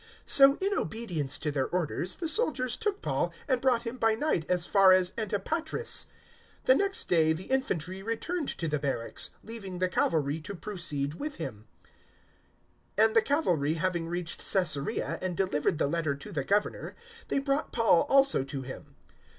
023:031 So, in obedience to their orders, the soldiers took Paul and brought him by night as far as Antipatris. 023:032 The next day the infantry returned to the barracks, leaving the cavalry to proceed with him; 023:033 and, the cavalry having reached Caesarea and delivered the letter to the Governor, they brought Paul also to him.